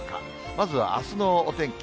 まずはあすのお天気。